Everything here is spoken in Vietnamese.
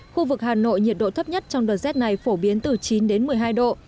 khu vực hà nội nhiệt độ thấp nhất trong đợt rét này phổ biến từ chín đến một mươi hai độ